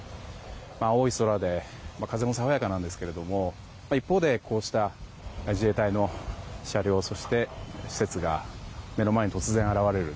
青い空で風も爽やかなんですけども一方こうした自衛隊の車両そして施設が目の前に突然、現れる。